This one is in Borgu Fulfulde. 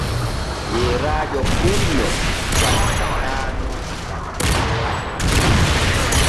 Yeerajo pullo wattatano danpeteeŋol.